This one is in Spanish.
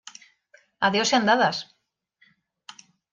¡ a Dios sean dadas!